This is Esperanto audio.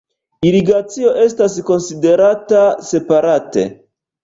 Irigacio estas konsiderata separate.